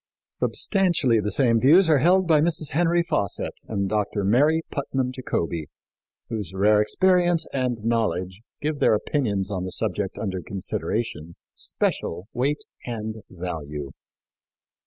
" Substantially the same views are held by Mrs. Henry Fawcett and Dr. Mary Putnam Jacobi, whose rare experience and knowledge give their opinions on the subject under consideration special weight and value.